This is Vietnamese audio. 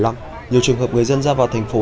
nhiều trường hợp người dân ra vào thành phố